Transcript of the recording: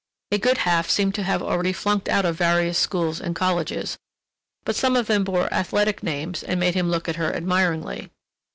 A good half seemed to have already flunked out of various schools and colleges, but some of them bore athletic names that made him look at her admiringly.